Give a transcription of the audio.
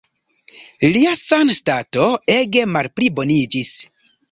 Lia sanstato ege malpliboniĝis.